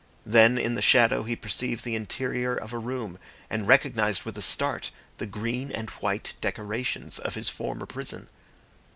Then in the shadow he perceived the interior of a room and recognised with a start the green and white decorations of his former prison.